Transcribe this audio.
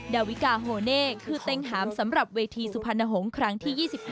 ดาวิกาโฮเน่คือเต็งหามสำหรับเวทีสุพรรณหงษ์ครั้งที่๒๕